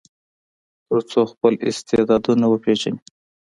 تر څو خپل استعدادونه وپیژني.